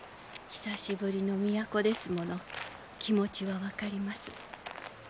久しぶりの都ですもの気持ちは分かります。